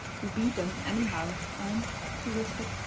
"We beat 'em, anyhow, Ann," she whispered.